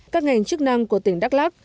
các ngành chức năng của tỉnh đắk lắc